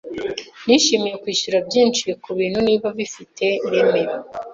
Nishimiye kwishyura byinshi kubintu niba bifite ireme.